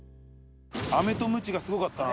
アメとムチがすごかったな。